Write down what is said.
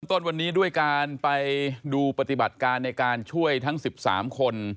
ต้นวันนี้ด้วยการไปดูปฏิบัติการในการช่วยทั้ง๑๓คน